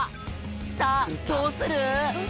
さあどうする！？